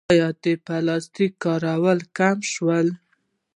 آیا د پلاستیک کارول کم شوي؟